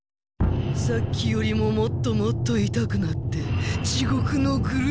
さっきよりももっともっといたくなって地ごくの苦しみを。